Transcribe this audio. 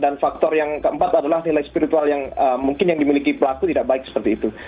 dan faktor yang keempat adalah nilai spiritual yang mungkin yang dimiliki pelaku tidak baik seperti itu